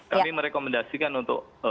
jadi kami merekomendasikan untuk